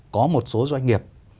có một số doanh nghiệp